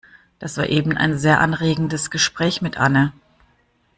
Das war eben ein sehr anregendes Gespräch mit Anne.